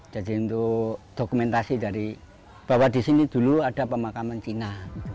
jadi untuk dokumentasi dari bahwa di sini dulu ada pemakaman cina